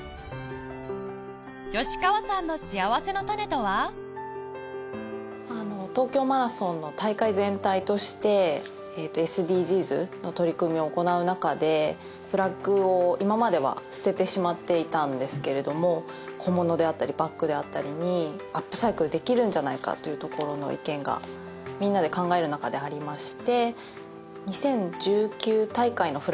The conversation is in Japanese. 吉川さんの東京マラソンの大会全体として ＳＤＧｓ の取り組みを行う中でフラッグを今までは捨ててしまっていたんですけれども小物であったりバッグであったりにアップサイクルできるんじゃないかというところの意見がみんなで考える中でありまして。